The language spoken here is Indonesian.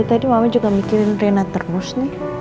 tadi mama juga mikirin drena terus nih